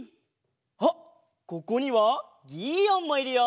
あっここにはギーオンもいるよ。